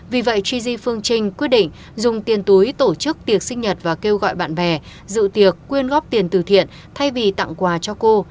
vì vậy ji phương trinh quyết định dùng tiền túi tổ chức tiệc sinh nhật và kêu gọi bạn bè dự tiệc quyên góp tiền từ thiện thay vì tặng quà cho cô